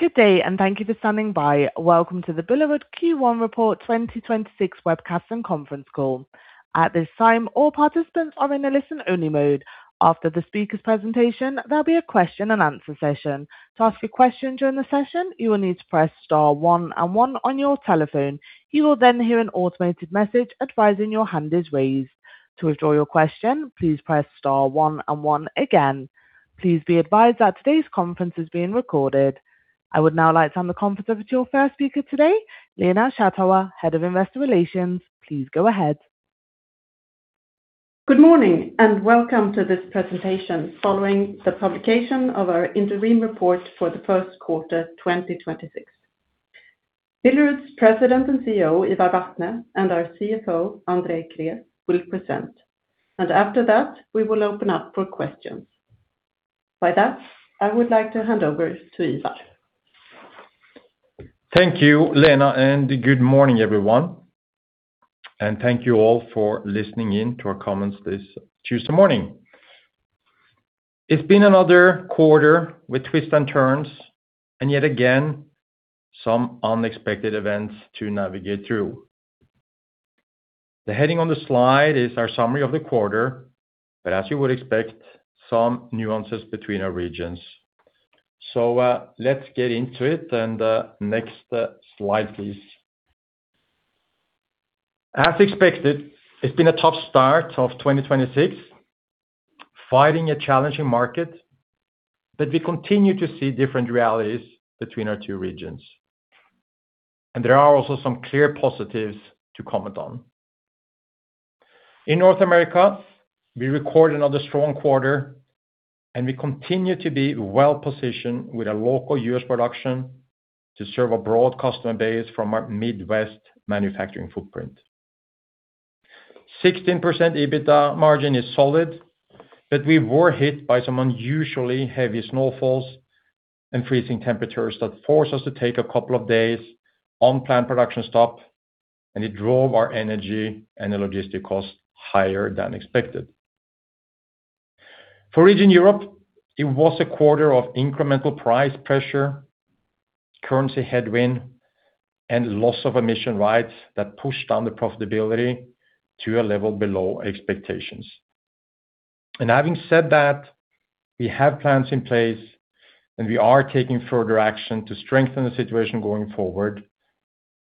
Good day, thank you for standing by. Welcome to the Billerud Q1 Report 2026 webcast and conference call. At this time, all participants are in a listen-only mode. After the speaker's presentation, there'll be a question and answer session. To ask a question during the session, you will need to press star one and one on your telephone. You will then hear an automated message advising your hand is raised. To withdraw your question, please press star one and one again. Please be advised that today's conference is being recorded. I would now like to hand the conference over to your first speaker today, Lena Schattauer, Head of Investor Relations. Please go ahead. Good morning, and welcome to this presentation following the publication of our interim report for the first quarter, 2026. Billerud's President and CEO, Ivar Vatne, and our CFO, Andrei Krés, will present. After that, we will open up for questions. By that, I would like to hand over to Ivar. Thank you, Lena, and good morning, everyone. Thank you all for listening in to our comments this Tuesday morning. It's been another quarter with twists and turns, and yet again, some unexpected events to navigate through. The heading on the slide is our summary of the quarter, but as you would expect, some nuances between our regions. Let's get into it. Next slide, please. As expected, it's been a tough start of 2026, fighting a challenging market, but we continue to see different realities between our two regions. There are also some clear positives to comment on. In North America, we record another strong quarter, and we continue to be well-positioned with a local U.S. production to serve a broad customer base from our Midwest manufacturing footprint. 16% EBITDA margin is solid, but we were hit by some unusually heavy snowfalls and freezing temperatures that forced us to take a couple of days on-plant production stop, and it drove our energy and the logistic cost higher than expected. For Region Europe, it was a quarter of incremental price pressure, currency headwind, and loss of emission rights that pushed down the profitability to a level below expectations. Having said that, we have plans in place, and we are taking further action to strengthen the situation going forward.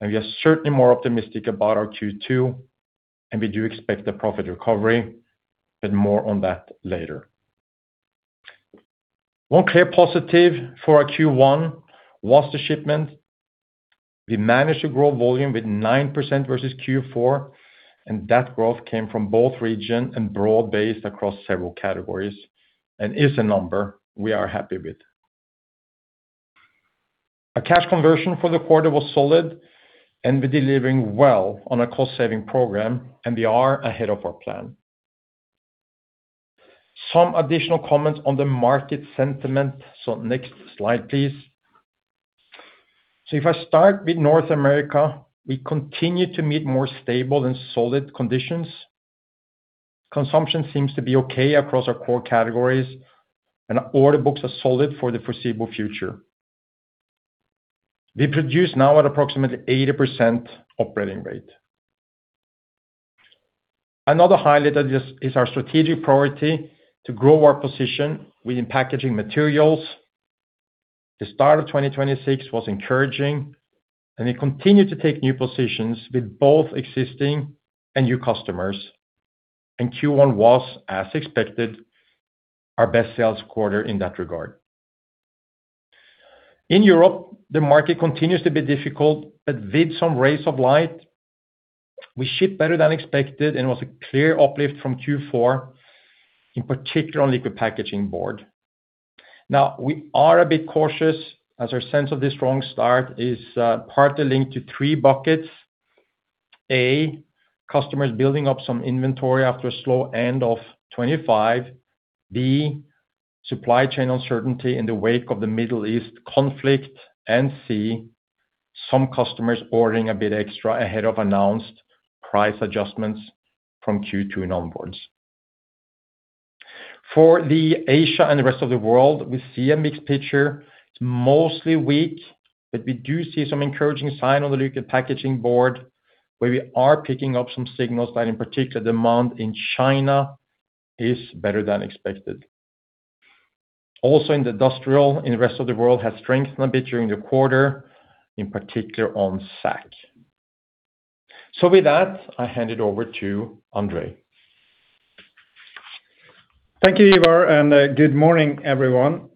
We are certainly more optimistic about our Q2, and we do expect a profit recovery, but more on that later. One clear positive for our Q1 was the shipment. We managed to grow volume with 9% versus Q4, and that growth came from both region and broad-based across several categories and is a number we are happy with. Our cash conversion for the quarter was solid, and we're delivering well on our cost-saving program, and we are ahead of our plan. Some additional comments on the market sentiment. Next slide, please. If I start with North America, we continue to meet more stable and solid conditions. Consumption seems to be okay across our core categories, and order books are solid for the foreseeable future. We produce now at approximately 80% operating rate. Another highlight is our strategic priority to grow our position within packaging materials. The start of 2026 was encouraging, and we continue to take new positions with both existing and new customers. Q1 was, as expected, our best sales quarter in that regard. In Europe, the market continues to be difficult, but with some rays of light. We ship better than expected and was a clear uplift from Q4, in particular on liquid packaging board. Now, we are a bit cautious as our sense of this strong start is partly linked to three buckets. A, customers building up some inventory after a slow end of 2025. B, supply chain uncertainty in the wake of the Middle East conflict. C, some customers ordering a bit extra ahead of announced price adjustments from Q2 and onwards. For Asia and the rest of the world, we see a mixed picture. It's mostly weak, but we do see some encouraging sign on the liquid packaging board, where we are picking up some signals that in particular demand in China is better than expected. Also in the industrial in the rest of the world has strengthened a bit during the quarter, in particular on sack. With that, I hand it over to Andrei. Thank you, Ivar, and good morning, everyone.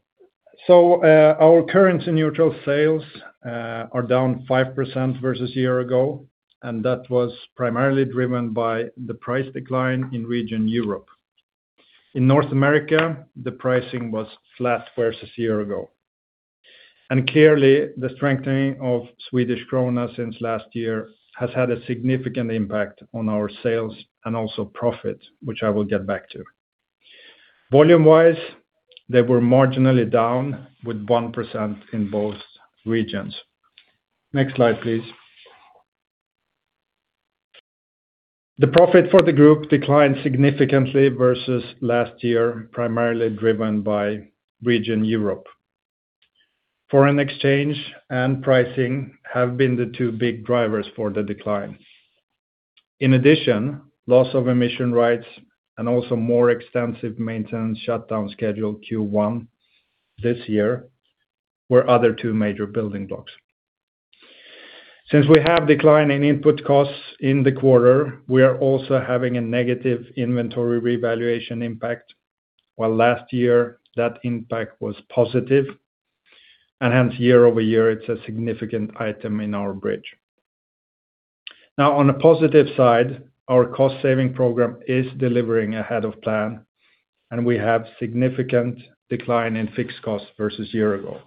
Our currency neutral sales are down 5% versus year ago, and that was primarily driven by the price decline in Region Europe. In North America, the pricing was flat versus a year ago. Clearly, the strengthening of Swedish krona since last year has had a significant impact on our sales and also profit, which I will get back to. Volume-wise, they were marginally down 1% in both regions. Next slide, please. The profit for the group declined significantly versus last year, primarily driven by Region Europe. Foreign exchange and pricing have been the two big drivers for the decline. In addition, loss of emission rights and also more extensive maintenance shutdown schedule Q1 this year were other two major building blocks. Since we have decline in input costs in the quarter, we are also having a negative inventory revaluation impact, while last year that impact was positive, and hence year-over-year, it's a significant item in our bridge. Now, on a positive side, our cost-saving program is delivering ahead of plan, and we have significant decline in fixed costs versus year ago.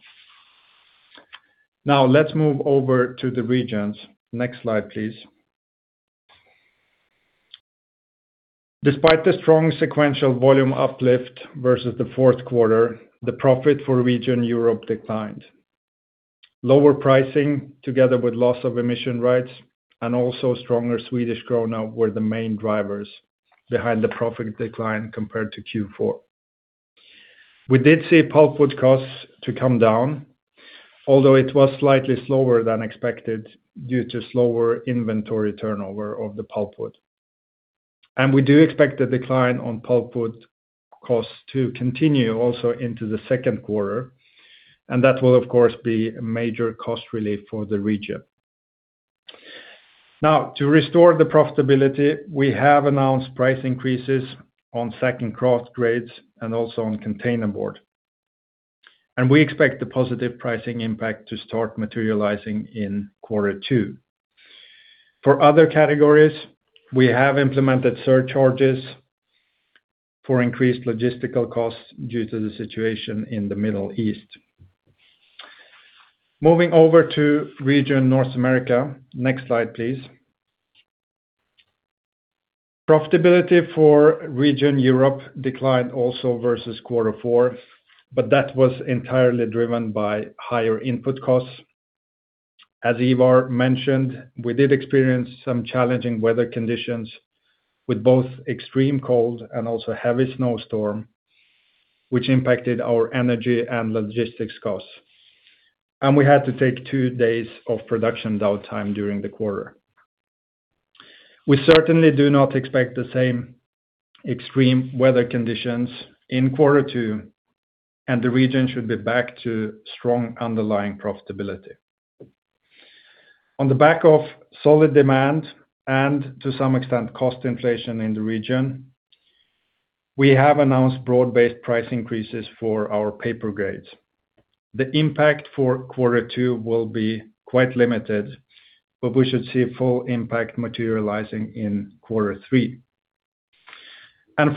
Now, let's move over to the regions. Next slide, please. Despite the strong sequential volume uplift versus the fourth quarter, the profit for Region Europe declined. Lower pricing together with loss of emission rights and also stronger Swedish krona were the main drivers behind the profit decline compared to Q4. We did see pulpwood costs to come down, although it was slightly slower than expected due to slower inventory turnover of the pulpwood. We do expect the decline on pulpwood costs to continue also into the second quarter, and that will, of course, be a major cost relief for the region. Now, to restore the profitability, we have announced price increases on sack kraft grades and also on containerboard. We expect the positive pricing impact to start materializing in quarter two. For other categories, we have implemented surcharges for increased logistical costs due to the situation in the Middle East. Moving over to region North America. Next slide, please. Profitability for region Europe declined also versus quarter four, but that was entirely driven by higher input costs. As Ivar mentioned, we did experience some challenging weather conditions with both extreme cold and also heavy snowstorm, which impacted our energy and logistics costs. We had to take two days of production downtime during the quarter. We certainly do not expect the same extreme weather conditions in quarter two, and the region should be back to strong underlying profitability. On the back of solid demand and to some extent, cost inflation in the region, we have announced broad-based price increases for our paper grades. The impact for quarter two will be quite limited, but we should see full impact materializing in quarter three.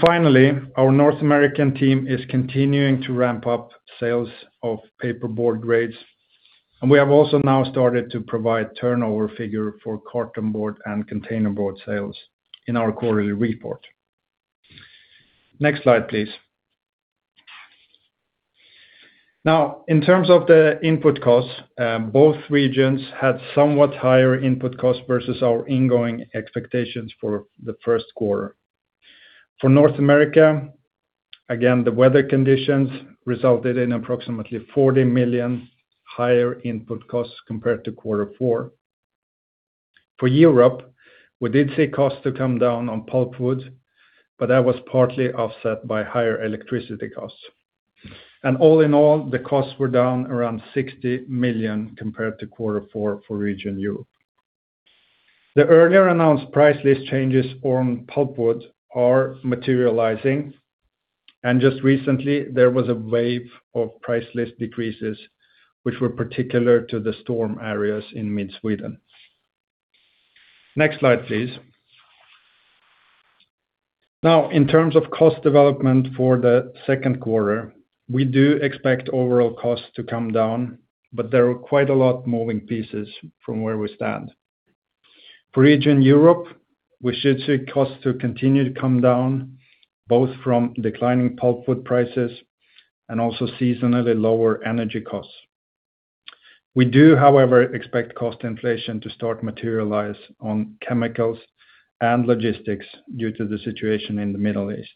Finally, our North American team is continuing to ramp up sales of paperboard grades, and we have also now started to provide turnover figure for Cartonboard and Containerboard sales in our quarterly report. Next slide, please. Now, in terms of the input costs, both regions had somewhat higher input costs versus our incoming expectations for the first quarter. For North America, again, the weather conditions resulted in approximately 40 million higher input costs compared to quarter four. For Europe, we did see costs to come down on pulpwood, but that was partly offset by higher electricity costs. All in all, the costs were down around 60 million compared to quarter four for region Europe. The earlier announced price list changes on pulpwood are materializing, and just recently, there was a wave of price list decreases which were particular to the storm areas in mid-Sweden. Next slide, please. Now, in terms of cost development for the second quarter, we do expect overall costs to come down, but there are quite a lot moving pieces from where we stand. For region Europe, we should see costs to continue to come down, both from declining pulpwood prices and also seasonally lower energy costs. We do, however, expect cost inflation to start materialize on chemicals and logistics due to the situation in the Middle East.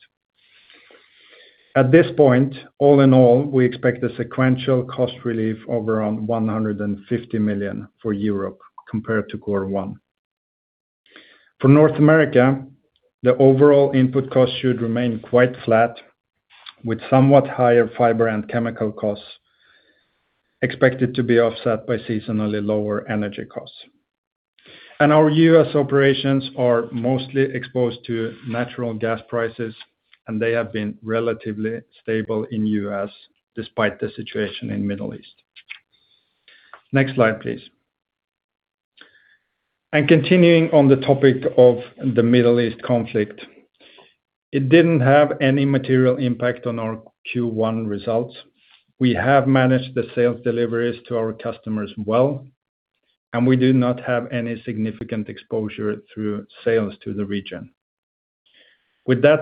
At this point, all in all, we expect a sequential cost relief of around 150 million for Europe compared to quarter one. For North America, the overall input cost should remain quite flat with somewhat higher fiber and chemical costs expected to be offset by seasonally lower energy costs. Our U.S. operations are mostly exposed to natural gas prices, and they have been relatively stable in U.S. despite the situation in Middle East. Next slide, please. Continuing on the topic of the Middle East conflict, it didn't have any material impact on our Q1 results. We have managed the sales deliveries to our customers well, and we do not have any significant exposure through sales to the region. With that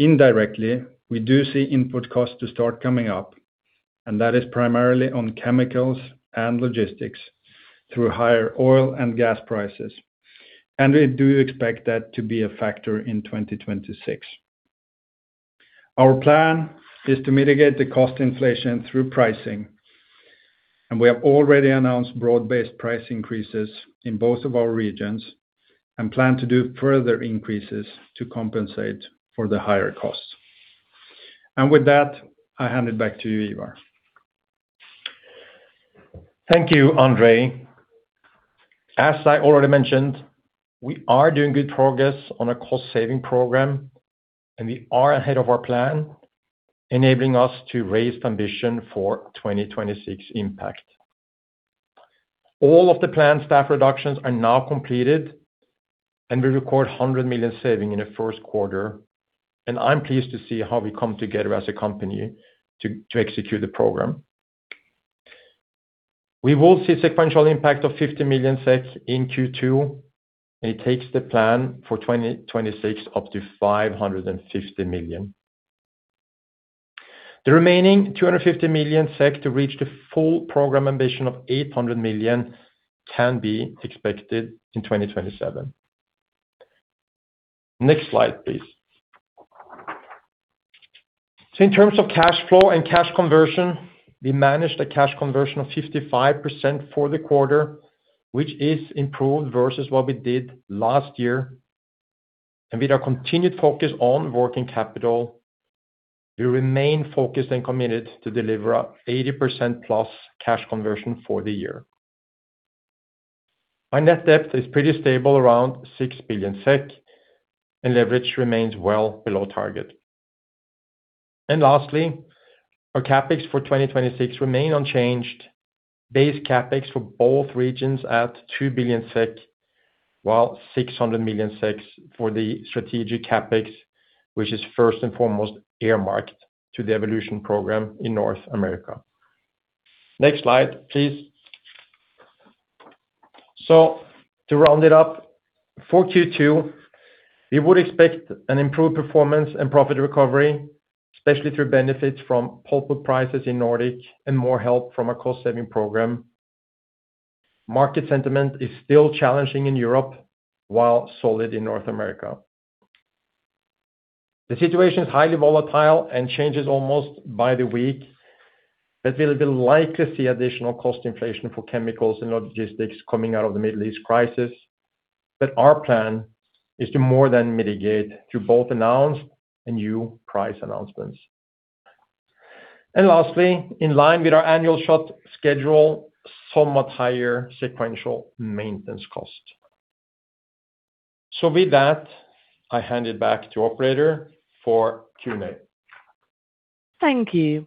said, indirectly, we do see input costs to start coming up, and that is primarily on chemicals and logistics through higher oil and gas prices. We do expect that to be a factor in 2026. Our plan is to mitigate the cost inflation through pricing, and we have already announced broad-based price increases in both of our regions and plan to do further increases to compensate for the higher costs. With that, I hand it back to you, Ivar. Thank you, Andrei. As I already mentioned, we are doing good progress on a cost-saving program, and we are ahead of our plan, enabling us to raise ambition for 2026 impact. All of the planned staff reductions are now completed, and we record 100 million saving in the first quarter, and I'm pleased to see how we come together as a company to execute the program. We will see sequential impact of 50 million SEK in Q2, and it takes the plan for 2026 up to 550 million. The remaining 250 million SEK to reach the full program ambition of 800 million can be expected in 2027. Next slide, please. In terms of cash flow and cash conversion, we managed a cash conversion of 55% for the quarter, which is improved versus what we did last year. With our continued focus on working capital, we remain focused and committed to deliver 80%+ cash conversion for the year. Our net debt is pretty stable, around 6 billion SEK, and leverage remains well below target. Lastly, our CapEx for 2026 remain unchanged. Base CapEx for both regions at 2 billion SEK, while 600 million SEK for the strategic CapEx, which is first and foremost earmarked to the Evolution Program in North America. Next slide, please. To round it up, for Q2, we would expect an improved performance and profit recovery, especially through benefits from pulpwood prices in Nordic and more help from our cost-saving program. Market sentiment is still challenging in Europe while solid in North America. The situation is highly volatile and changes almost by the week, but we'll likely see additional cost inflation for chemicals and logistics coming out of the Middle East crisis. Our plan is to more than mitigate through both announced and new price announcements. Lastly, in line with our annual shut schedule, somewhat higher sequential maintenance cost. With that, I hand it back to operator for Q&A. Thank you.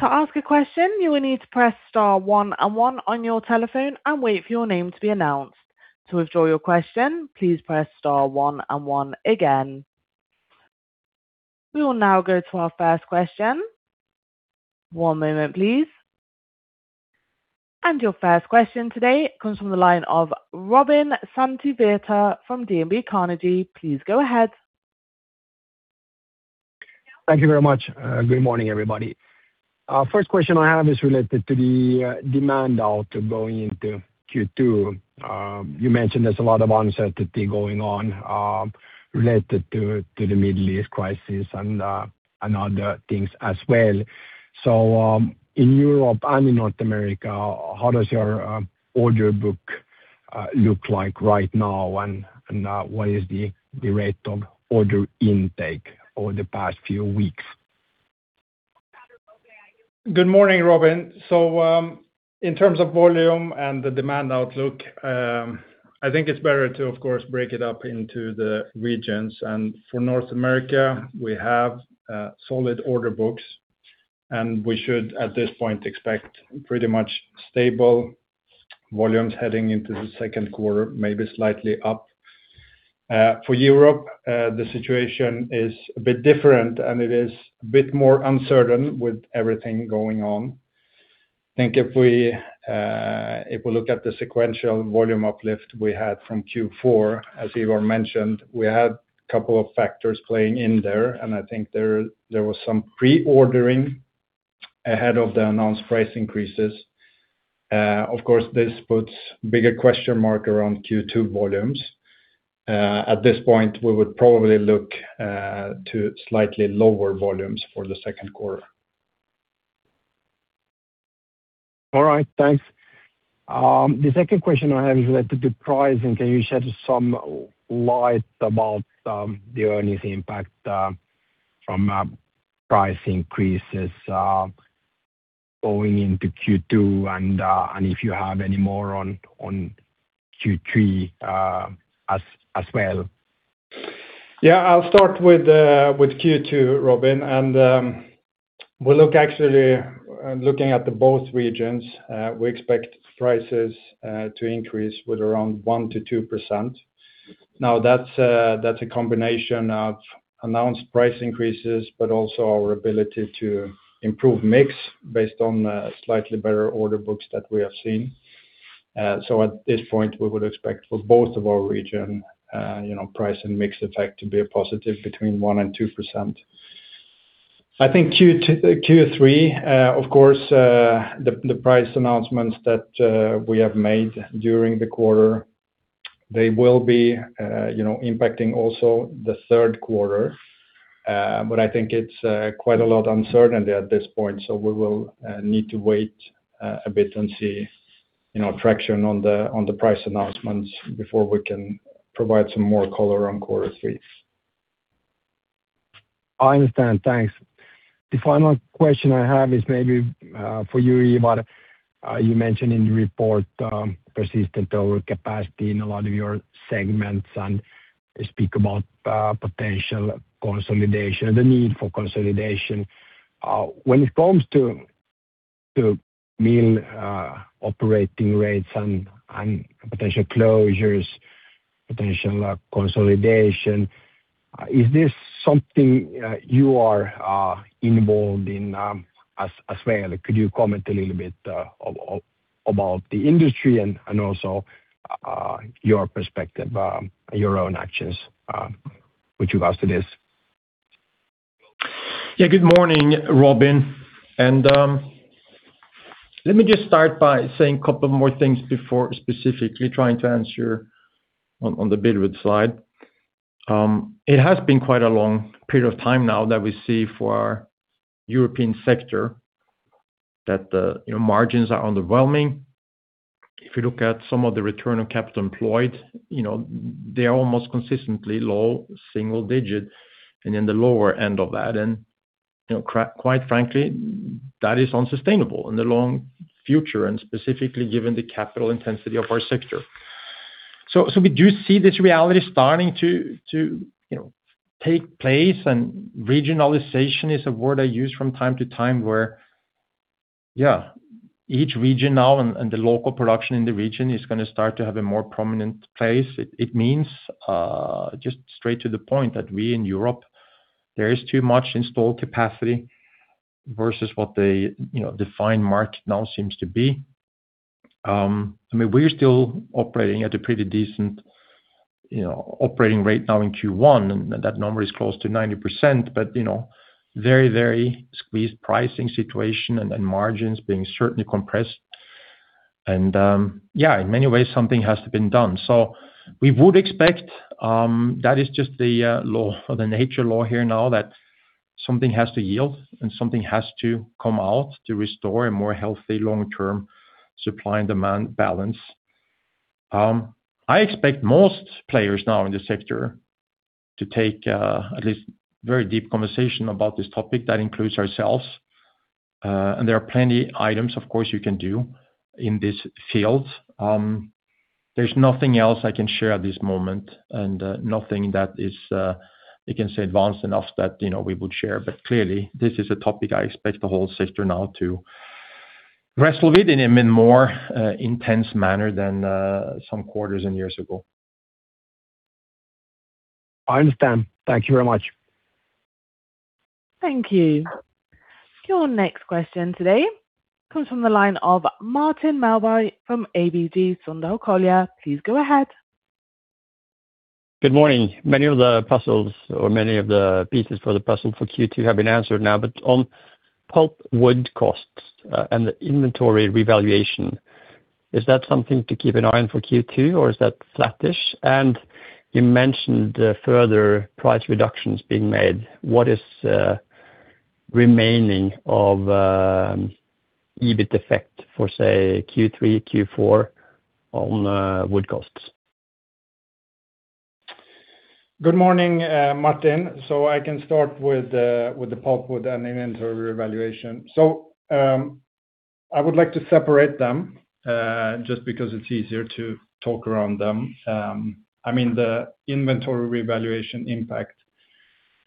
To ask a question, you will need to press star one and one on your telephone and wait for your name to be announced. To withdraw your question, please press star one and one again. We will now go to our first question. One moment, please. Your first question today comes from the line of Robin Santavirta from DNB Carnegie. Please go ahead. Thank you very much. Good morning, everybody. First question I have is related to the demand outlook going into Q2. You mentioned there's a lot of uncertainty going on, related to the Middle East crisis and other things as well. In Europe and in North America, how does your order book look like right now and what is the rate of order intake over the past few weeks? Good morning, Robin. In terms of volume and the demand outlook, I think it's better to, of course, break it up into the regions. For North America, we have solid order books, and we should, at this point, expect pretty much stable volumes heading into the second quarter, maybe slightly up. For Europe, the situation is a bit different, and it is a bit more uncertain with everything going on. I think if we look at the sequential volume uplift we had from Q4, as Ivar mentioned, we had a couple of factors playing in there, and I think there was some pre-ordering ahead of the announced price increases. Of course, this puts bigger question mark around Q2 volumes. At this point, we would probably look to slightly lower volumes for the second quarter. All right. Thanks. The second question I have is related to pricing. Can you shed some light about the earnings impact from price increases going into Q2 and if you have any more on Q3 as well? Yeah. I'll start with Q2, Robin. Actually looking at both regions, we expect prices to increase with around 1%-2%. Now, that's a combination of announced price increases, but also our ability to improve mix based on slightly better order books that we have seen. At this point, we would expect for both of our region, you know, price and mix effect to be a positive between 1% and 2%. I think Q2, Q3, of course, the price announcements that we have made during the quarter, they will be, you know, impacting also the third quarter. But I think it's quite a lot uncertainty at this point, so we will need to wait a bit and see, you know, traction on the price announcements before we can provide some more color on Q3. I understand. Thanks. The final question I have is maybe for you, Ivar. You mentioned in the report persistent overcapacity in a lot of your segments and speak about potential consolidation, the need for consolidation. When it comes to mill operating rates and potential closures, potential consolidation, is this something you are involved in as well? Could you comment a little bit about the industry and also your perspective, your own actions with regards to this? Yeah. Good morning, Robin. Let me just start by saying a couple more things before specifically trying to answer on the Billerud slide. It has been quite a long period of time now that we see for our European sector that the margins are underwhelming. If you look at some of the Return on Capital Employed, they are almost consistently low single digit and in the lower end of that. Quite frankly, that is unsustainable in the long future and specifically given the capital intensity of our sector. We do see this reality starting to take place and regionalization is a word I use from time to time where each region now and the local production in the region is gonna start to have a more prominent place. It means just straight to the point that we in Europe, there is too much installed capacity versus what they defined market now seems to be. I mean, we're still operating at a pretty decent operating rate now in Q1, and that number is close to 90%. You know, very, very squeezed pricing situation and then margins being certainly compressed. In many ways something has to be done. We would expect that is just the law of nature here now that something has to yield and something has to come out to restore a more healthy long-term supply and demand balance. I expect most players now in this sector to take at least very deep conversation about this topic that includes ourselves. There are plenty of items, of course, you can do in this field. There's nothing else I can share at this moment and nothing that is, you can say, advanced enough that, you know, we would share. Clearly this is a topic I expect the whole sector now to wrestle with in a more intense manner than some quarters and years ago. I understand. Thank you very much. Thank you. Your next question today comes from the line of Martin Melbye from ABG Sundal Collier. Please go ahead. Good morning. Many of the puzzles or many of the pieces for the puzzle for Q2 have been answered now. On pulpwood costs and the inventory revaluation, is that something to keep an eye on for Q2 or is that flattish? You mentioned further price reductions being made. What is remaining of EBIT effect for, say, Q3, Q4 on wood costs? Good morning, Martin. I can start with the pulpwood and inventory revaluation. I would like to separate them just because it's easier to talk around them. I mean, the inventory revaluation impact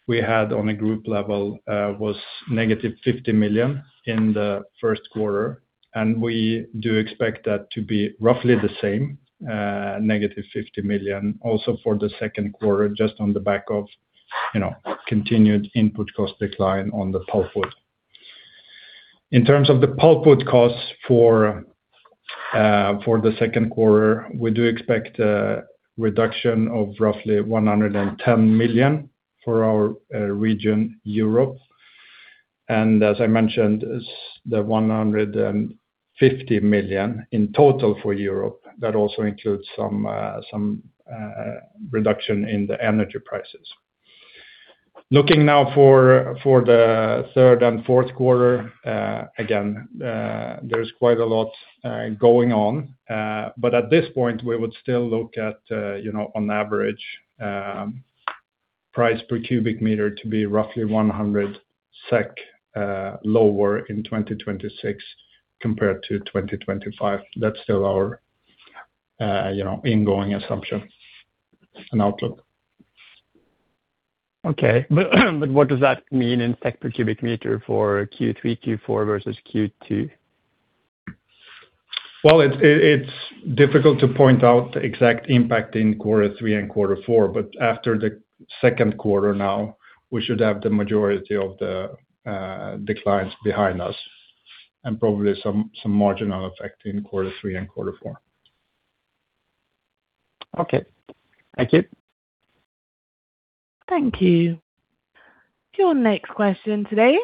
we had on a group level was negative 50 million in the first quarter, and we do expect that to be roughly the same, -50 million also for the second quarter, just on the back of, you know, continued input cost decline on the pulpwood. In terms of the pulpwood costs for the second quarter, we do expect a reduction of roughly 110 million for our region Europe. And as I mentioned, the 150 million in total for Europe, that also includes some reduction in the energy prices. Looking now for the third and fourth quarter, again, there's quite a lot going on. At this point we would still look at, you know, on average, price per cu m to be roughly 100 SEK lower in 2026 compared to 2025. That's still our, you know, ingoing assumption and outlook. Okay. What does that mean in SEK/cu m for Q3, Q4 versus Q2? Well, it's difficult to point out the exact impact in quarter three and quarter four, but after the second quarter now we should have the majority of the declines behind us and probably some marginal effect in quarter three and quarter four. Okay. Thank you. Thank you. Your next question today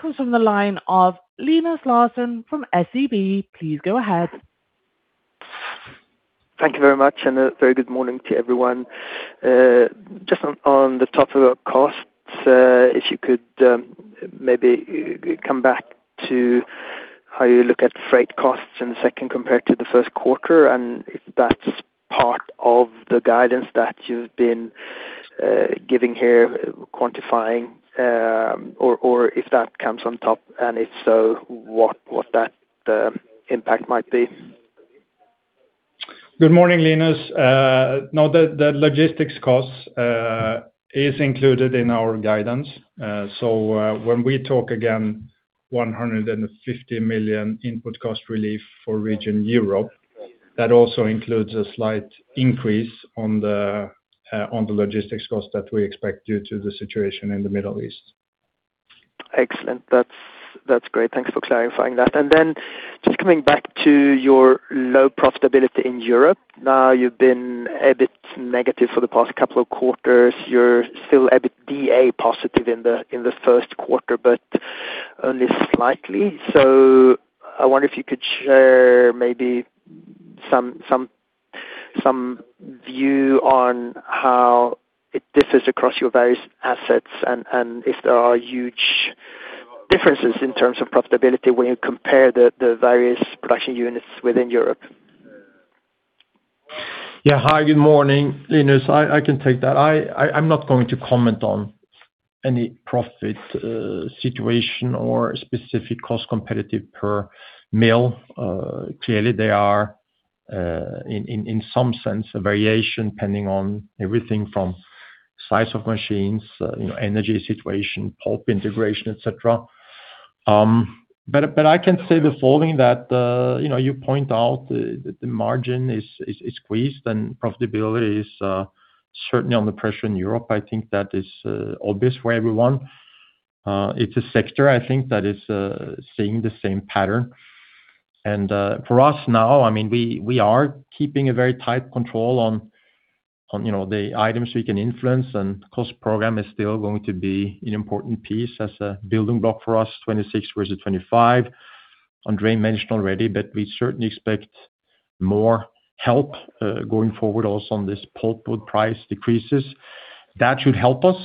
comes from the line of Linus Larsson from SEB. Please go ahead. Thank you very much, and a very good morning to everyone. Just on top of our costs, if you could maybe come back to how you look at freight costs in the second compared to the first quarter, and if that's part of the guidance that you've been giving here quantifying, or if that comes on top, and if so, what that impact might be. Good morning, Linus. No, the logistics costs is included in our guidance. When we talk again 150 million input cost relief for region Europe, that also includes a slight increase on the logistics cost that we expect due to the situation in the Middle East. Excellent. That's great. Thanks for clarifying that. Then just coming back to your low profitability in Europe. Now, you've been a bit negative for the past couple of quarters. You're still a bit EBITDA positive in the first quarter, but only slightly. I wonder if you could share maybe some view on how it differs across your various assets and if there are huge differences in terms of profitability when you compare the various production units within Europe. Yeah. Hi, good morning, Linus. I can take that. I'm not going to comment on any profit situation or specific cost competitiveness per mill. Clearly they are in some sense a variation depending on everything from size of machines, you know, energy situation, pulp integration, et cetera. But I can say the following that, you know, you point out the margin is squeezed and profitability is certainly under pressure in Europe. I think that is obvious for everyone. It's a sector I think that is seeing the same pattern. For us now, I mean, we are keeping a very tight control on, you know, the items we can influence, and cost program is still going to be an important piece as a building block for us, 2026 versus 2025. Andrei mentioned already, but we certainly expect more help going forward also on this pulpwood price decreases. That should help us,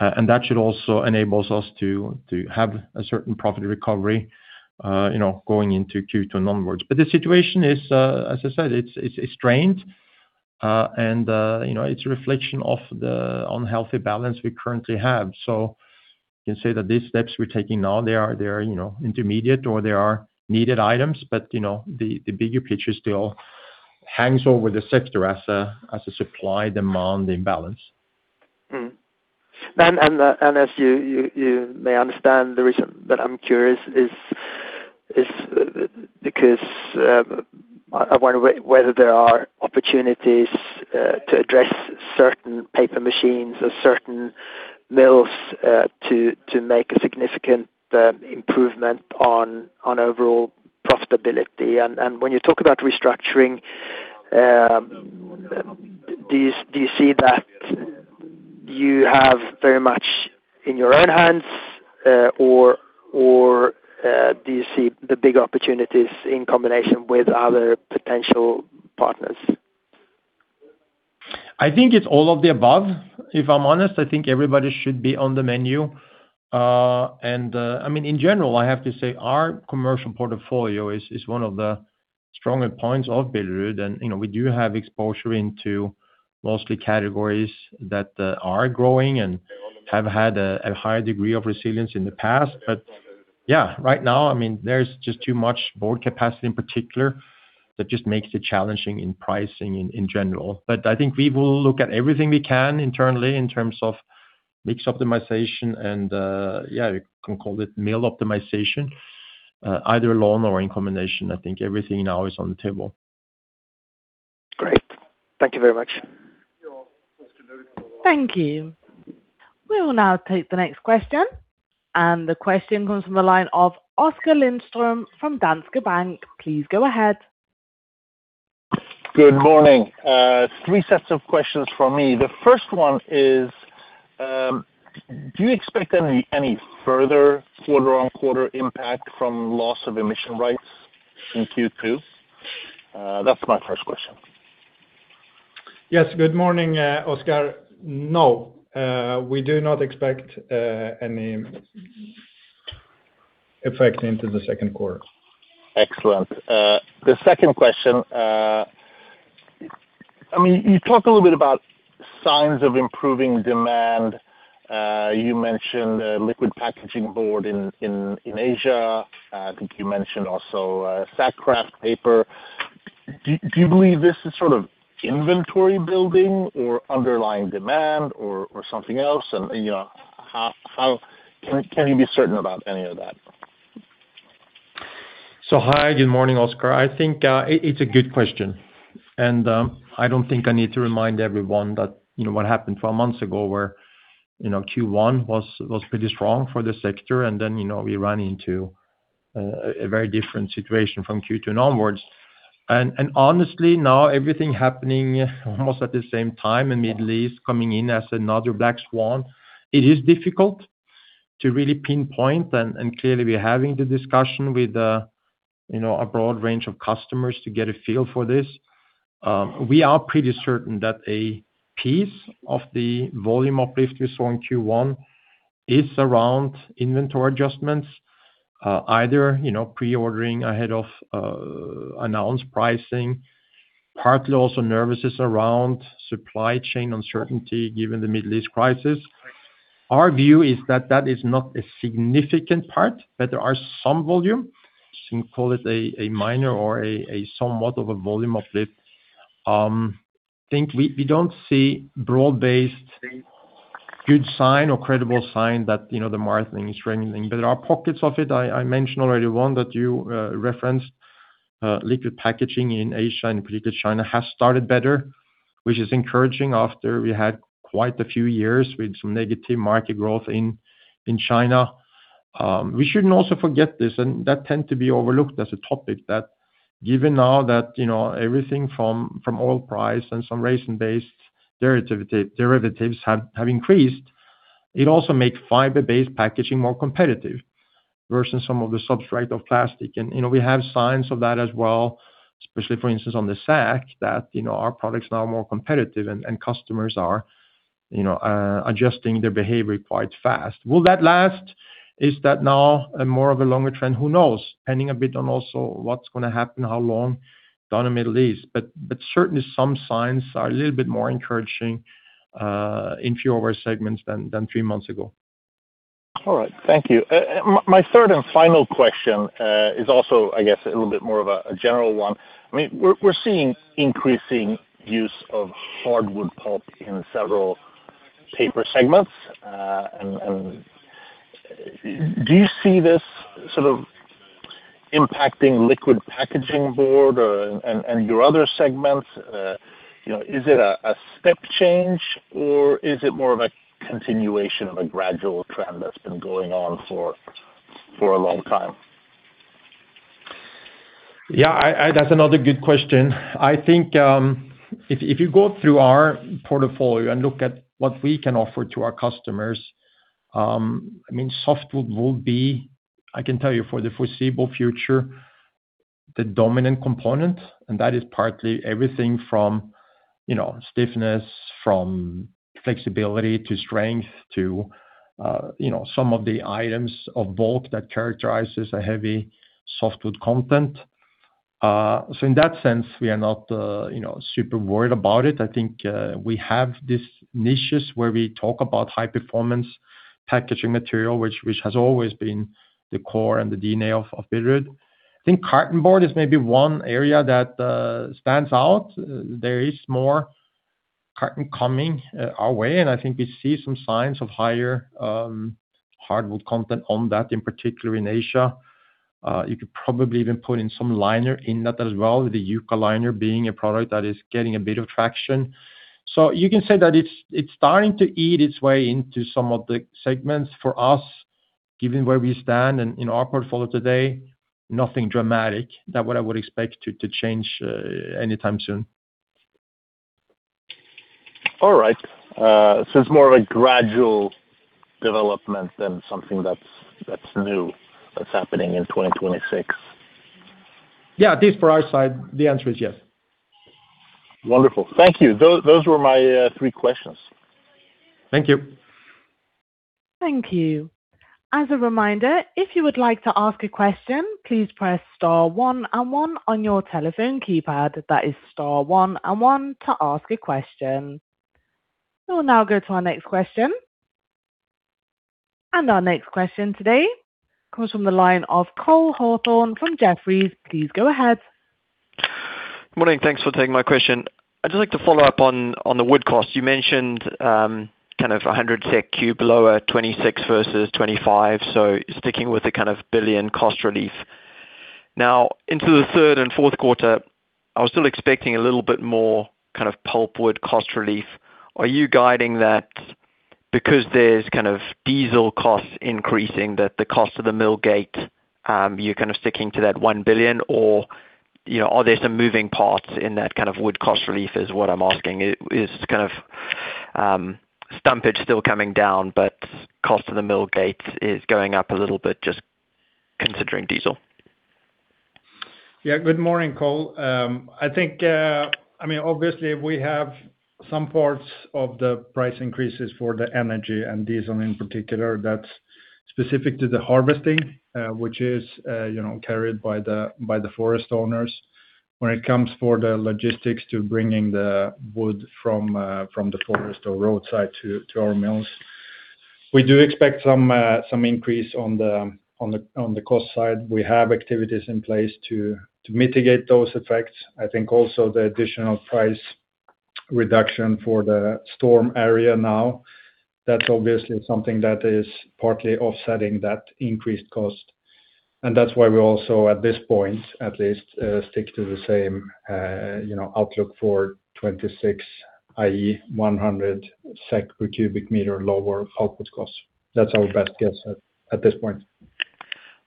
and that should also enable us to have a certain profit recovery, you know, going into Q2 onwards. The situation is, as I said, it's strained, and you know, it's a reflection of the unhealthy balance we currently have. You can say that these steps we're taking now they are, you know, intermediate or they are needed items. You know, the bigger picture still hangs over the sector as a supply-demand imbalance. As you may understand, the reason that I'm curious is because I wonder whether there are opportunities to address certain paper machines or certain mills to make a significant improvement on overall profitability. When you talk about restructuring, do you see that you have very much in your own hands, or do you see the big opportunities in combination with other potential partners? I think it's all of the above. If I'm honest, I think everybody should be on the menu. I mean, in general, I have to say our commercial portfolio is one of the stronger points of Billerud, and you know, we do have exposure into mostly categories that are growing and have had a higher degree of resilience in the past. Yeah, right now, I mean, there's just too much board capacity in particular that just makes it challenging in pricing in general. I think we will look at everything we can internally in terms of mix optimization and yeah, you can call it mill optimization, either alone or in combination. I think everything now is on the table. Great. Thank you very much. Thank you. We will now take the next question, and the question comes from the line of Oskar Lindström from Danske Bank. Please go ahead. Good morning. Three sets of questions from me. The first one is, do you expect any further quarter-on-quarter impact from loss of emission rights in Q2? That's my first question. Yes, good morning, Oskar. No, we do not expect any effect into the second quarter. Excellent. The second question, I mean, you talk a little bit about signs of improving demand. You mentioned liquid packaging board in Asia. I think you mentioned also sack kraft paper. Do you believe this is sort of inventory building or underlying demand or something else? You know, how can you be certain about any of that? Hi, good morning, Oskar. I think it's a good question, and I don't think I need to remind everyone that, you know, what happened 12 months ago where, you know, Q1 was pretty strong for the sector and then, you know, we ran into a very different situation from Q2 onwards. Honestly now everything happening almost at the same time in Middle East, coming in as another black swan. It is difficult to really pinpoint, and clearly we're having the discussion with the, you know, a broad range of customers to get a feel for this. We are pretty certain that a piece of the volume uplift we saw in Q1 is around inventory adjustments. Either, you know, pre-ordering ahead of announced pricing, partly also nervousness around supply chain uncertainty given the Middle East crisis. Our view is that that is not a significant part, but there are some volume, you can call it a minor or a somewhat of a volume uplift. I think we don't see broad-based good sign or credible sign that the market is trending, but there are pockets of it. I mentioned already one that you referenced, liquid packaging in Asia, and in particular China has started better, which is encouraging after we had quite a few years with some negative market growth in China. We shouldn't also forget this, and that tend to be overlooked as a topic that given now that everything from oil price and some resin-based derivatives have increased, it also make fiber-based packaging more competitive versus some of the substrates of plastic. You know, we have signs of that as well, especially for instance on the sack that, you know, our products are now more competitive and customers are, you know, adjusting their behavior quite fast. Will that last? Is that now more of a longer trend? Who knows? Depending a bit on also what's gonna happen, how long down in the Middle East. Certainly some signs are a little bit more encouraging in few of our segments than three months ago. All right. Thank you. My third and final question is also, I guess, a little bit more of a general one. I mean, we're seeing increasing use of hardwood pulp in several paper segments. Do you see this sort of impacting liquid packaging board or and your other segments? You know, is it a step change or is it more of a continuation of a gradual trend that's been going on for a long time? Yeah, that's another good question. I think, if you go through our portfolio and look at what we can offer to our customers, I mean, softwood will be, I can tell you for the foreseeable future, the dominant component, and that is partly everything from, you know, stiffness, from flexibility to strength to, you know, some of the items of bulk that characterizes a heavy softwood content. So in that sense, we are not, you know, super worried about it. I think, we have these niches where we talk about high performance packaging material, which has always been the core and the DNA of Billerud. I think carton board is maybe one area that stands out. There is more carton coming our way, and I think we see some signs of higher hardwood content on that, in particular in Asia. You could probably even put in some liner in that as well. The Euca Liner being a product that is getting a bit of traction. You can say that it's starting to eat its way into some of the segments. For us, given where we stand and in our portfolio today, nothing dramatic that what I would expect to change anytime soon. All right. It's more of a gradual development than something that's new that's happening in 2026. Yeah. At least for our side, the answer is yes. Wonderful. Thank you. Those were my three questions. Thank you. Thank you. As a reminder, if you would like to ask a question, please press star one and one on your telephone keypad. That is star one and one to ask a question. We'll now go to our next question. Our next question today comes from the line of Cole Hathorn from Jefferies. Please go ahead. Morning. Thanks for taking my question. I'd just like to follow up on the wood cost. You mentioned kind of 100 SEK per cu m lower 2026 versus 2025, so sticking with the kind of 1 billion cost relief. Now into the third and fourth quarter, I was still expecting a little bit more kind of pulpwood cost relief. Are you guiding that because there's kind of diesel costs increasing, that the cost at the mill gate, you're kind of sticking to that 1 billion or, you know, are there some moving parts in that kind of wood cost relief is what I'm asking? Is kind of stumpage still coming down but cost of the mill gate is going up a little bit just considering diesel? Yeah. Good morning, Cole. I think, I mean, obviously if we have some parts of the price increases for the energy and diesel in particular, that's specific to the harvesting, which is, you know, carried by the forest owners. When it comes to the logistics to bringing the wood from the forest or roadside to our mills, we do expect some increase on the cost side. We have activities in place to mitigate those effects. I think also the additional price reduction for the storm area now, that's obviously something that is partly offsetting that increased cost. That's why we also at this point at least, stick to the same, you know, outlook for 2026. I.e., 100 SEK per cu m lower output costs. That's our best guess at this point.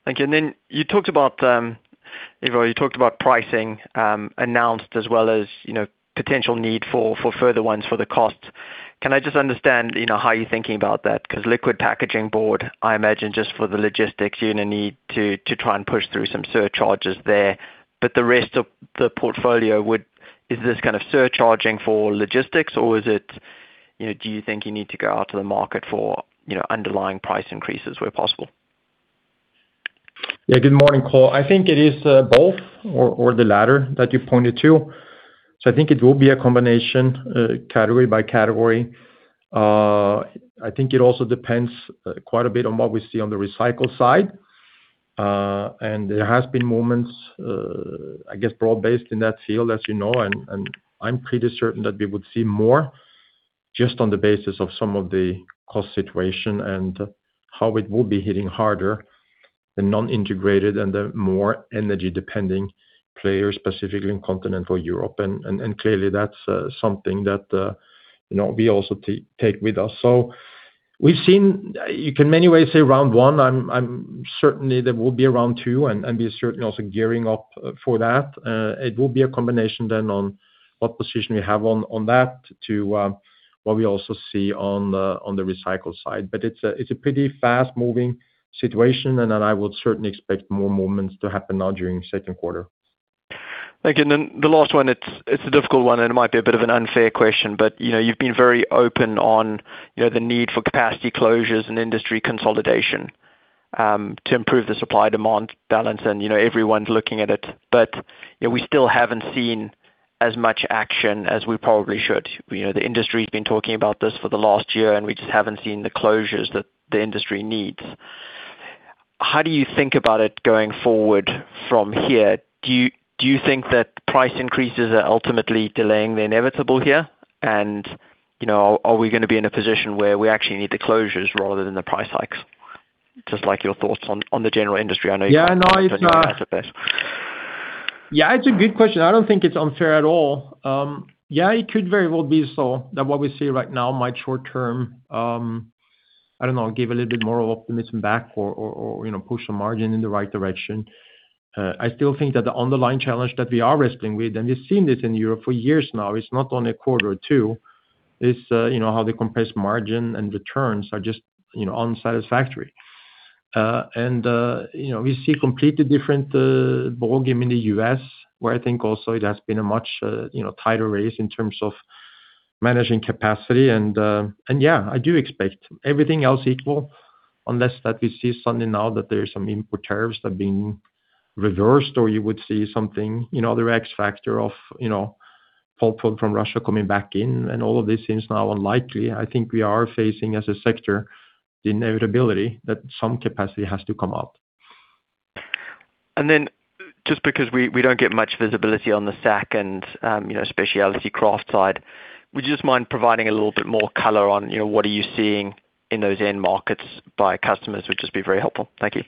Thank you. Then you talked about, Ivar, you talked about pricing, announced as well as, you know, potential need for further ones for the costs. Can I just understand, you know, how you're thinking about that? Because liquid packaging board, I imagine just for the logistics, you're gonna need to try and push through some surcharges there. But the rest of the portfolio would. Is this kind of surcharging for logistics or is it, you know, do you think you need to go out to the market for, you know, underlying price increases where possible? Yeah. Good morning, Cole. I think it is both, or the latter that you pointed to. I think it will be a combination, category by category. I think it also depends quite a bit on what we see on the recycle side. There has been movement, I guess, broad-based in that field, as you know, and I'm pretty certain that we would see more just on the basis of some of the cost situation and how it will be hitting harder the non-integrated and the more energy-dependent players, specifically in continental Europe. Clearly that's something that, you know, we also take with us. We've seen. You can in many ways say round one. I'm certain there will be round two, and we'll be certainly also gearing up for that. It will be a combination then on what position we have on that to what we also see on the recycle side. It's a pretty fast-moving situation. I would certainly expect more movements to happen now during second quarter. Thank you. Then the last one, it's a difficult one, and it might be a bit of an unfair question. You know, you've been very open on, you know, the need for capacity closures and industry consolidation, to improve the supply-demand balance and, you know, everyone's looking at it. You know, we still haven't seen as much action as we probably should. You know, the industry's been talking about this for the last year, and we just haven't seen the closures that the industry needs. How do you think about it going forward from here? Do you think that price increases are ultimately delaying the inevitable here? And, you know, are we gonna be in a position where we actually need the closures rather than the price hikes? Just like your thoughts on the general industry. I know you can't- Yeah. No, it's talk about that the best. Yeah, it's a good question. I don't think it's unfair at all. Yeah, it could very well be so that what we see right now might, short-term, I don't know, give a little bit more optimism back or, you know, push the margin in the right direction. I still think that the underlying challenge that we are wrestling with, and we've seen this in Europe for years now, it's not only a quarter or two, is, you know, how the compressed margin and returns are just, you know, unsatisfactory. You know, we see completely different ballgame in the U.S., where I think also it has been a much, you know, tighter race in terms of managing capacity. Yeah, I do expect everything else equal unless that we see something now that there's some import tariffs that are being reversed or you would see something, you know, other X factor of, you know, pulpwood from Russia coming back in. All of this seems now unlikely. I think we are facing, as a sector, the inevitability that some capacity has to come out. Just because we don't get much visibility on the sack and, you know, specialty kraft side, would you just mind providing a little bit more color on, you know, what are you seeing in those end markets by customers? Would just be very helpful. Thank you.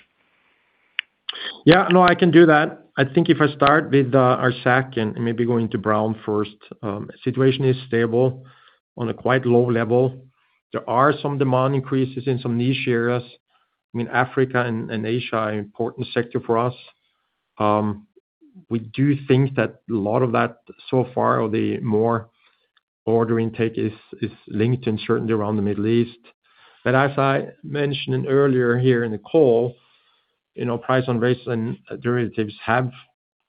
Yeah. No, I can do that. I think if I start with our sack and maybe going to brown first. Situation is stable on a quite low level. There are some demand increases in some niche areas. I mean, Africa and Asia are important sector for us. We do think that a lot of that so far or the more order intake is linked and certainly around the Middle East. But as I mentioned earlier here in the call, you know, price on resin derivatives have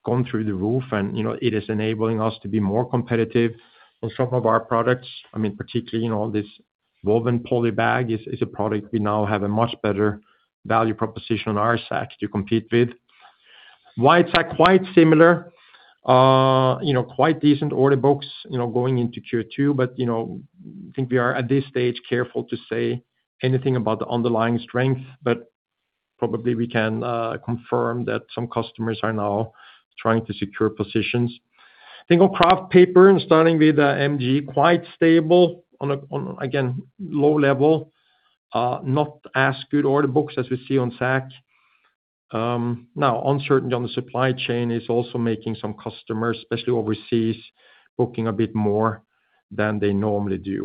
gone through the roof and, you know, it is enabling us to be more competitive on some of our products. I mean, particularly, you know, this woven poly bag is a product we now have a much better value proposition on our sack to compete with. White sack, quite similar. You know, quite decent order books, you know, going into Q2, but you know, I think we are at this stage careful to say anything about the underlying strength, but probably we can confirm that some customers are now trying to secure positions. I think on kraft paper and starting with the MG, quite stable on an ongoing low level. Not as good order books as we see on sack. Now uncertainty on the supply chain is also making some customers, especially overseas, booking a bit more than they normally do.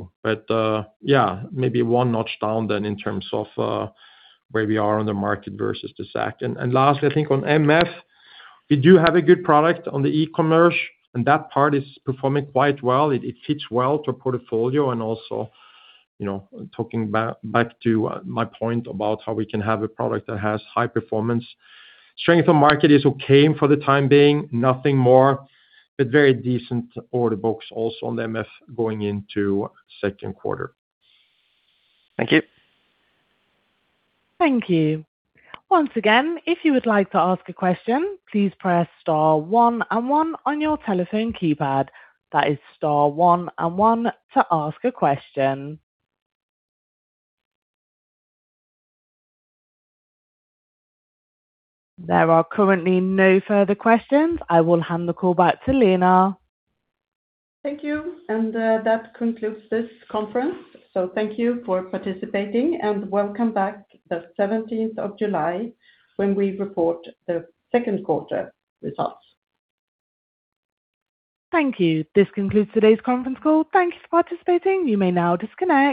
Yeah, maybe one notch down then in terms of where we are on the market versus the sack. Lastly, I think on MF, we do have a good product on the e-commerce, and that part is performing quite well. It fits well to our portfolio and also, you know, talking back to my point about how we can have a product that has high performance. Strength of market is okay for the time being, nothing more, but very decent order books also on MF going into second quarter. Thank you. Thank you. Once again, if you would like to ask a question, please press star one and one on your telephone keypad. That is star one and one to ask a question. There are currently no further questions. I will hand the call back to Lena. Thank you. That concludes this conference. Thank you for participating, and welcome back the 17th of July when we report the second quarter results. Thank you. This concludes today's conference call. Thank you for participating. You may now disconnect.